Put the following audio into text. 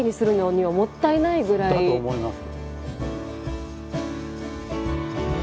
だと思います。